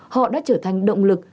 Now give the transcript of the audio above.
họ đã trở thành động lực